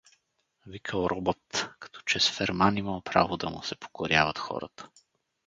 Викал Робът, като че с ферман имал право да му се покоряват хората.